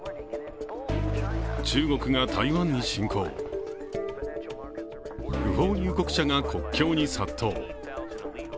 中国が台湾に侵攻不法入国者が国境に殺到。